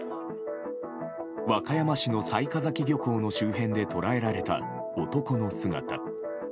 和歌山市の雑賀崎漁港の周辺で捉えられた男の姿。